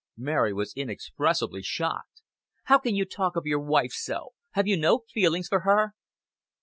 Mavis was inexpressibly shocked. "How can you talk of your wife so? Have you no feelings for her?"